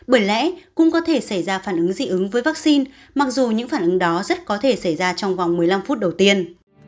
bởi lẽ cũng có thể xảy ra phản ứng dị ứng với vaccine mặc dù những phản ứng đó rất có thể xảy ra trong vòng một mươi năm phút đầu tiên